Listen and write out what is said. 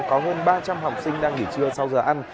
có hơn ba trăm linh học sinh đang nghỉ trưa sau giờ ăn